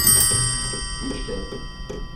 Üç kez.